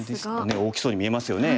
大きそうに見えますよね。